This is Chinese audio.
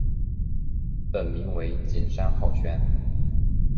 本名为景山浩宣。